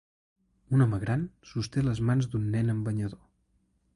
Un home gran sosté les mans d'un nen amb banyador.